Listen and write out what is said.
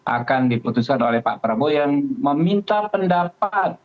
akan diputuskan oleh pak prabowo yang meminta pendapat